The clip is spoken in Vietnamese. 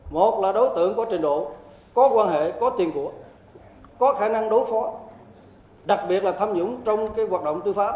một là đối tượng có trình độ có quan hệ có tiền của có khả năng đối phó đặc biệt là tham nhũng trong hoạt động tư pháp